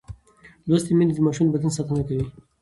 لوستې میندې د ماشوم د بدن ساتنه کوي.